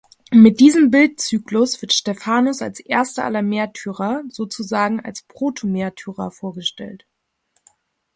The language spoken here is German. Mit diesem Bildzyklus wird Stephanus als erster aller Märtyrer, sozusagen als „Proto-Märtyrer“, vorgestellt.